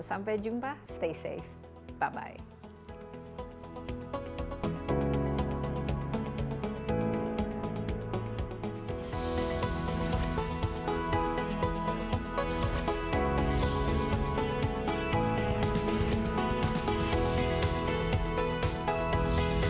sampai jumpa stay safe bye bye